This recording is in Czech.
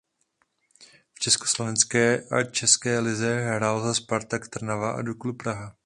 V československé a české lize hrál za Spartak Trnava a Duklu Praha.